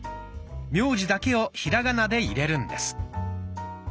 名字だけをひらがなで入れるんです。